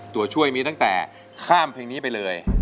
ตัวช่วยมีตั้งแต่ข้ามเพลงนี้ไปเลย